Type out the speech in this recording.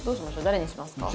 誰にしますか？